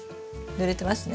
ぬれてますね。